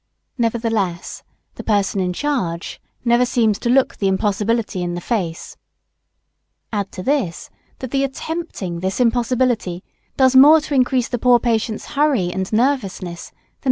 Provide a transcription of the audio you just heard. Nevertheless the person in charge never seems to look the impossibility in the face. Add to this that the attempting this impossibility does more to increase the poor patient's hurry and nervousness than anything else.